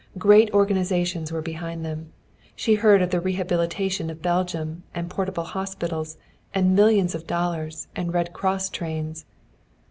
Great organizations were behind them. She heard of the rehabilitation of Belgium, and portable hospitals, and millions of dollars, and Red Cross trains.